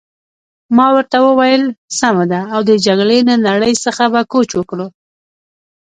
ما ورته وویل: سمه ده، او د جګړې له نړۍ څخه به کوچ وکړو.